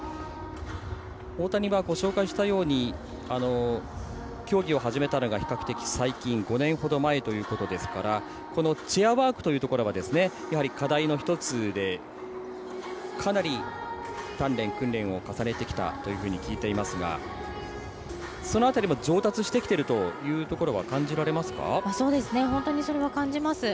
大谷はご紹介したように競技を始めたのが、比較的最近５年ほど前ということですからこのチェアワークというところは課題の１つでかなり鍛練、訓練を重ねてきたというふうに聞いていますがその辺りも上達してきているというところは感じられますか？